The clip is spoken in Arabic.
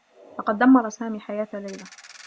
لقد دمّر سامي حياة ليلى.